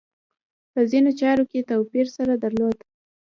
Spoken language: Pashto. په ځینو چارو کې توپیر سره درلود.